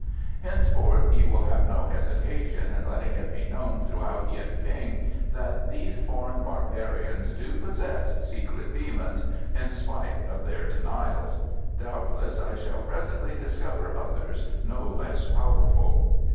Henceforth you will have no hesitation in letting it be known throughout Yuen ping that these foreign barbarians do possess secret demons, in spite of their denials. Doubtless I shall presently discover others no less powerful.